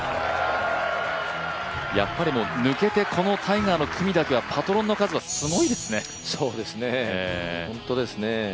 やっぱり抜けてこのタイガーの組だけはパトロンの数はすごいですね。